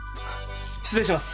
失礼します。